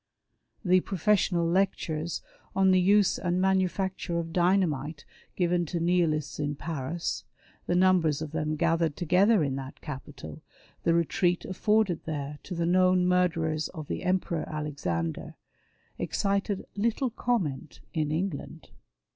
The professional lectures on the use and manufacture of dynamite given to Nihilists in Paris, the numbers of them gathered together in that capital, the retreat afforded there to the known murderers of the Emperor Alexander, excited little comment in England.